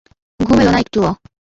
ঘুম এলোনা একটুও।